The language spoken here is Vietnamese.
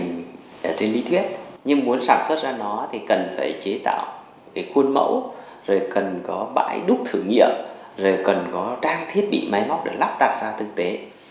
mình ở trên lý thuyết nhưng muốn sản xuất ra nó thì cần phải chế tạo cái khuôn mẫu rồi cần có bãi đúc thử nghiệm rồi cần có trang thiết bị máy móc để lắp đặt ra thực tế